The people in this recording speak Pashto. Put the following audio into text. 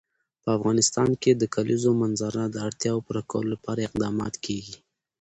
په افغانستان کې د د کلیزو منظره د اړتیاوو پوره کولو لپاره اقدامات کېږي.